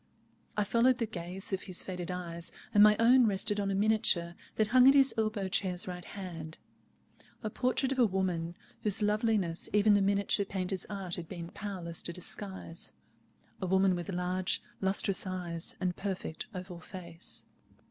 I followed the gaze of his faded eyes, and my own rested on a miniature that hung at his elbow chair's right hand, a portrait of a woman, whose loveliness even the miniature painter's art had been powerless to disguise—a woman with large lustrous eyes and perfect oval face.